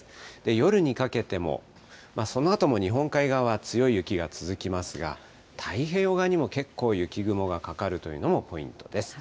夜にかけてもそのあとも日本海側は強い雪が続きますが、太平洋側にも結構雪雲がかかるというのもポイントです。